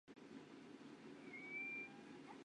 三方郡为福井县的郡。